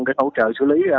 để hỗ trợ xử lý